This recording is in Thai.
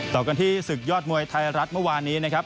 ต่อกันที่ศึกยอดมวยไทยรัฐเมื่อวานนี้นะครับ